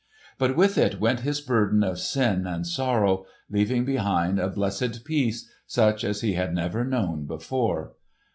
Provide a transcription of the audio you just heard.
But with it went his burden of sin and sorrow, leaving behind a blessed peace such as he had never known before.